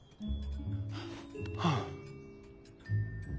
はあ。